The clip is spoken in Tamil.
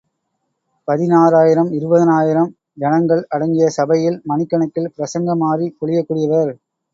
பதினாயிரம் இருபதினாயிரம் ஜனங்கள் அடங்கிய சபையில் மணிக்கணக்கில் பிரசங்க மாரி பொழியக் கூடியவர்.